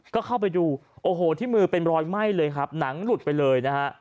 ก็เข้าไปดูโอ้โหที่มือเป็นรอยไหม้เลยครับหนังหลุดไปเลยนะฮะ